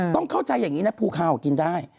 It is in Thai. ต้องเข้าใจอย่างนี้นะภูเขากินได้